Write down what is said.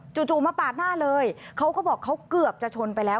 จู่มาปาดหน้าเลยเขาก็บอกเขาเกือบจะชนไปแล้ว